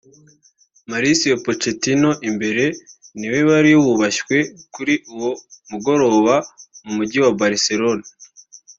Mauricio Pochettino (imbere) niwe wari wubashywe kuri uwo mugoroba mu mujyi wa Barcelone